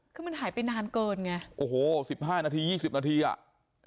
คือมันหายไปนานเกินไงโอ้โห๑๕นาที๒๐นาทีอ่ะ